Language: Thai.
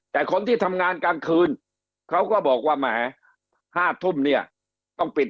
แต่คนที่ทำงานกลางคืนเขาก็บอกว่าแหม๕ทุ่มเนี่ยต้องปิด